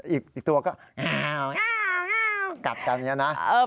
อีกตัวก็อ้าวกัดกันอย่างนี้นะ